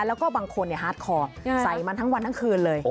แล้วก็บางคนฮาร์ดคอใส่มันทั้งวันทั้งคืนเลย